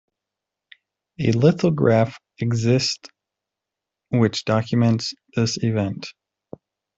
A lithograph exists, which documents this event.